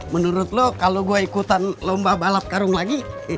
menurut lo kalau gue ikutan lomba balap karung lagi